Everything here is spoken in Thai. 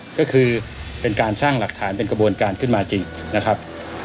ก็คือเป็นการสร้างหลักฐานเป็นกระบวนการขึ้นมาจริงนะครับ